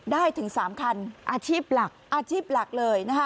ได้ถึง๓คันอาชีพหลักอาชีพหลักเลยนะคะ